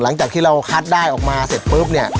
หลังจากที่เราคัดได้ออกมาเสร็จปุ๊บเนี่ย